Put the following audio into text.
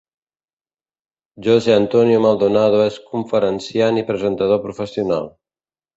José Antonio Maldonado és conferenciant i presentador professional.